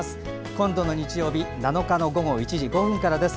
今度の日曜日、７日の午後１時５分からです。